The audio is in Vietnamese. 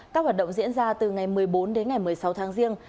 các hoạt động diễn ra từ ngày một mươi bốn đến ngày một mươi sáu tháng riêng